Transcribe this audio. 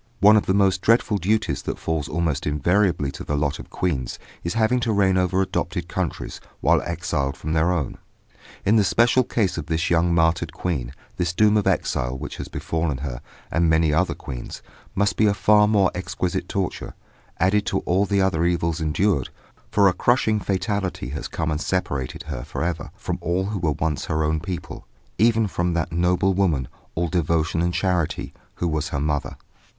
One of the most dreaded duties that falls almost invariably to the lot of queens is having to reign over adopted countries while exiled from their own. In the special case of this young martyred queen, this doom of exile which has befallen her, and many other queens, must be a far more exquisite torture, added to all the other evils endured, for a crushing fatality has come and separated her for ever from all who were once her own people, even from that noble woman, all devotion and charity, who was her mother.